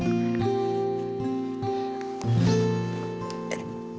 boush fluu kuk askan sup